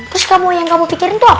terus kamu yang nggak mau pikirin itu apa